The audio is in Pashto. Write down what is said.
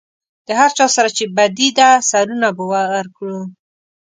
د هر چا سره چې بدي ده سرونه به ورکړو.